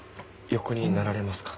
横になられますか？